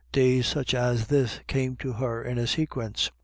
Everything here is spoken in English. Days such as this came to her in a sequence.